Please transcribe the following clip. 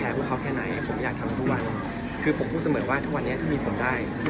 เมื่อก่อนหน้านี้ก่อนที่จะมีแฟนคนนี้คือผมอันนี้ยังไม่มีแฟนคนนี้